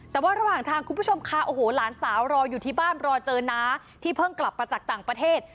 แต่ว่าระหว่างทางคุณผู้ชมค่ะโอ้โหหลานสาวรออยู่ที่บ้านรอเจอน้าที่เพิ่งกลับมาจากต่างประเทศ